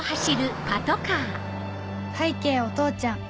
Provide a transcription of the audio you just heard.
拝啓お父ちゃん